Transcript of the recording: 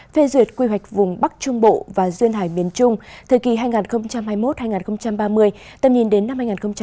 phê duyệt quy hoạch vùng bắc trung bộ và duyên hải miền trung thời kỳ hai nghìn hai mươi một hai nghìn ba mươi tầm nhìn đến năm hai nghìn năm mươi